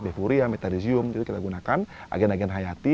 bevuria metadizium jadi kita menggunakan agen agen hayati